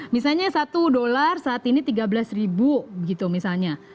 misalnya satu dolar saat ini tiga belas ribu gitu misalnya